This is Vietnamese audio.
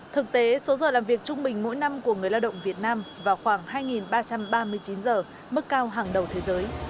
thực tế số giờ làm việc trung bình mỗi năm của người lao động việt nam vào khoảng hai ba trăm ba mươi chín giờ mức cao hàng đầu thế giới